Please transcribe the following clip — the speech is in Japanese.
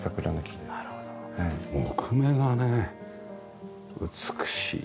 木目がね美しい。